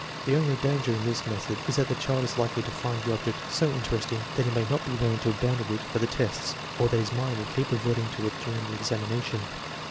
The only danger in this method is that the child is likely to find the object so interesting that he may not be willing to abandon it for the tests, or that his mind will keep reverting to it during the examination.